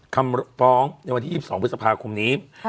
คำฟ้องในวันที่๒๒พฤษภาคมนี้